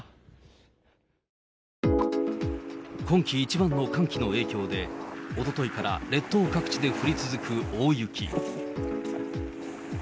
今季一番の寒気の影響で、おとといから列島各地で降り続く大雪。